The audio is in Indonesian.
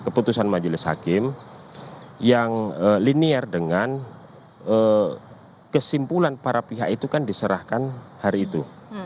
keputusan majelis hakim yang linear dengan kesimpulan para pihak itu kan diserahkan hari itu